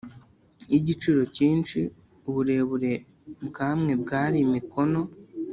Y igiciro cyinshi uburebure bw amwe bwari mikono